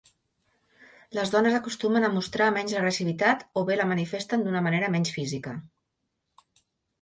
Les dones acostumen a mostrar menys agressivitat o bé la manifesten d'una manera menys física.